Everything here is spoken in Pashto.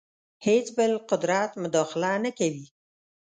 هېڅ بل قدرت مداخله نه کوي.